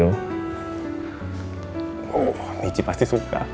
oh michi pasti suka